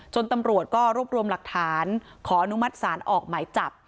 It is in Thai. ตำรวจก็รวบรวมหลักฐานขออนุมัติศาลออกหมายจับ